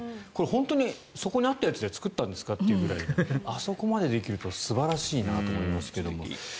本当にそこにあったやつで作ったんですか？というぐらいあそこまでできると素晴らしいなと思いますけど。